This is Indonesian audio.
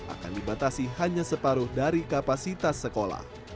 akan dibatasi hanya separuh dari kapasitas sekolah